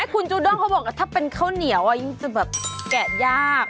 คุณจูด้งเขาบอกถ้าเป็นข้าวเหนียวยังจะแบบแกะยาก